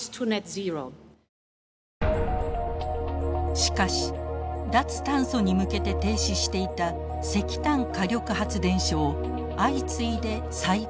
しかし脱炭素に向けて停止していた石炭火力発電所を相次いで再稼働。